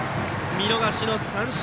見逃しの三振。